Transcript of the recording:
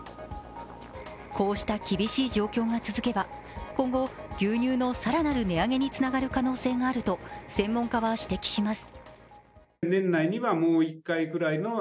こうした厳しい状況が続けば今後、牛乳の更なる値上げにつながる可能性があると専門家は指摘します。